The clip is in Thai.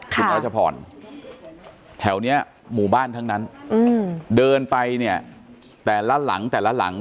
คุณรัชพรแถวนี้หมู่บ้านทั้งนั้นเดินไปเนี่ยแต่ละหลังแต่ละหลัง